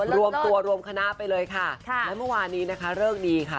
รวมตัวรวมคณะไปเลยค่ะและเมื่อวานนี้นะคะเลิกดีค่ะ